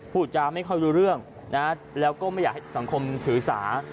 พูดจาไม่ค่อยรู้เรื่องนะแล้วก็ไม่อยากให้สังคมถือสา